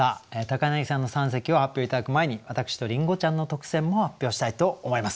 柳さんの三席を発表頂く前に私とりんごちゃんの特選も発表したいと思います。